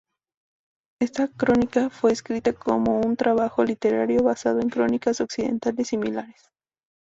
Esta crónica fue escrita como un trabajo literario basado en crónicas occidentales similares.